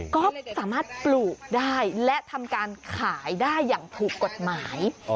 ก็สามารถปลูกได้และทำการขายได้อย่างถูกกฎหมาย